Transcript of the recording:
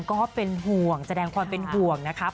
ก็เป็นห่วงแสดงความเป็นห่วงนะครับ